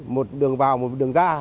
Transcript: một đường vào một đường ra